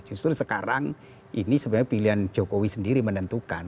justru sekarang ini sebenarnya pilihan jokowi sendiri menentukan